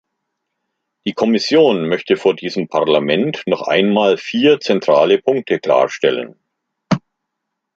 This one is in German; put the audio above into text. Die Kommission möchte vor diesem Parlament noch einmal vier zentrale Punkte klarstellen.